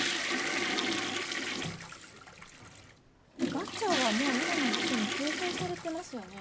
「ガチャ」はもう今の辞書に掲載されてますよね